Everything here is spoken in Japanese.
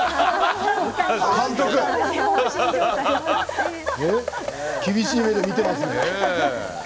監督厳しい目で見ていますね。